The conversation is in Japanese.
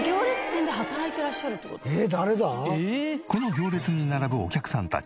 この行列に並ぶお客さんたち。